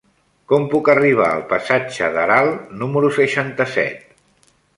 Com puc arribar al passatge d'Aral número seixanta-set?